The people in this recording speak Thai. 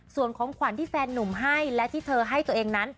ส่วนของขวัญที่แฟนหนุ่มให้และที่เธอให้ตัวเองนั้น